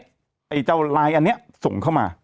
ไอ้เจ้าไลน์อันนี้ส่งเข้ามา